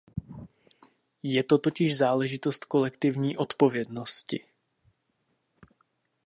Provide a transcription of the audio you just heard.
Je to totiž záležitost kolektivní odpovědnosti.